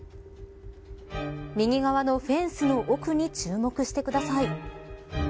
右側のフェンスの奥に注目してください。